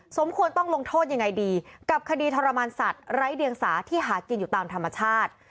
สมควรต้องลงโทษยังไงดีกับคดีทรมานสัตว์ไร้เดียงสาที่หากินอยู่ตามธรรมชาติ